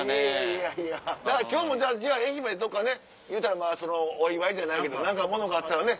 いやいや今日もじゃあ愛媛でどっかねいうたらお祝いじゃないけど何かものがあったらね。